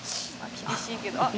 厳しいけどあっ。